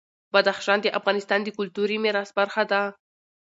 بدخشان د افغانستان د کلتوري میراث برخه ده.